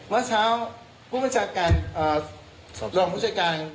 เมื่อเช้าผู้บัญชาการรองผู้จัดการ